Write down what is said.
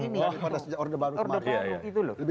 daripada sejak orde baru kemarin